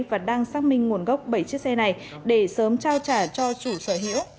và đang xác minh nguồn gốc bảy chiếc xe này để sớm trao trả cho chủ sở hữu